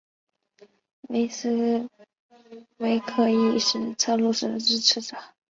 威斯维克亦是车路士的支持者。